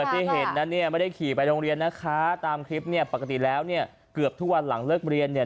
ที่เห็นนั้นเนี่ยไม่ได้ขี่ไปโรงเรียนนะคะตามคลิปเนี่ยปกติแล้วเนี่ยเกือบทุกวันหลังเลิกเรียนเนี่ย